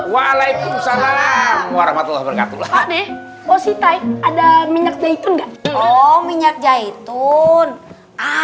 waalaikumsalam warahmatullah wabarakatuh adek posisi ada minyak jahit unggah minyak jahit unggah